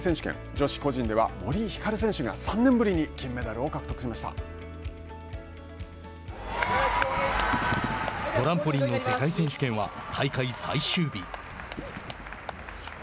女子個人では森ひかる選手が３年ぶりにトランポリンの世界選手権は大会最終日。